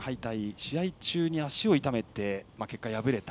試合中に足を痛めて結果、敗れた。